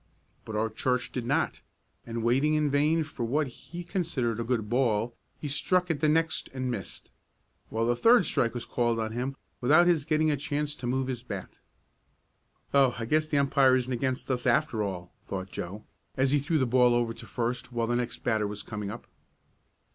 But Art Church did not, and waiting in vain for what he considered a good ball, he struck at the next and missed, while the third strike was called on him without his getting a chance to move his bat. "Oh, I guess the umpire isn't against us after all," thought Joe, as he threw the ball over to first while the next batter was coming up.